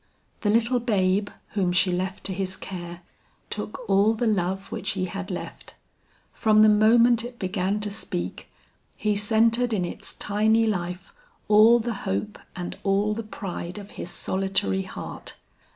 "The little babe whom she left to his care, took all the love which he had left. From the moment it began to speak, he centered in its tiny life all the hope and all the pride of his solitary heart.